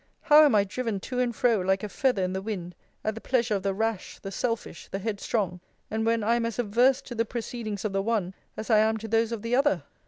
How am I driven to and fro, like a feather in the wind, at the pleasure of the rash, the selfish, the headstrong! and when I am as averse to the proceedings of the one, as I am to those of the other!